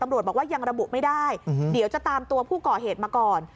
บอกว่ายังระบุไม่ได้เดี๋ยวจะตามตัวผู้ก่อเหตุมาก่อน